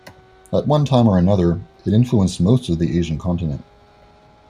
At one time or another, it influenced most of the Asian continent.